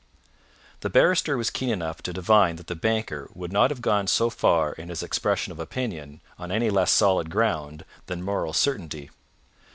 The barrister was keen enough to divine that the banker would not have gone so far in his expression of opinion on any less solid ground than moral certainty.